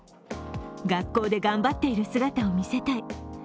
学校で頑張っている姿を見せたい。